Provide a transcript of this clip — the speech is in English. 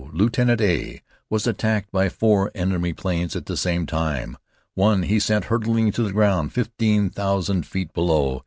Lieutenant A was attacked by four enemy planes at the same time. One he sent hurtling to the ground fifteen thousand feet below.